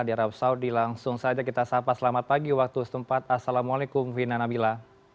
diarab saudi langsung saja kita sahabat selamat pagi waktu setempat assalamualaikum vina nabila